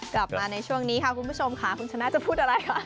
กลับมาในช่วงนี้ค่ะคุณผู้ชมค่ะคุณชนะจะพูดอะไรคะ